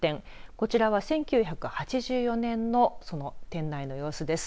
こちらは１９８４年のその店内の様子です。